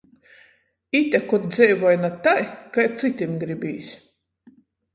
Ite kod dzeivoj na tai, kai cytim gribīs.